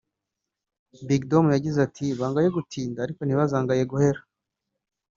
Big Dom yagize ati “ Bangaye gutinda ariko ntibangaye guhera